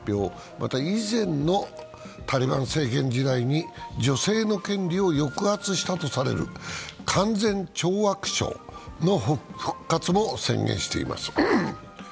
また、以前のタリバン政権時代に女性の権利を抑圧したとされる勧善懲悪省の復活も宣言しています。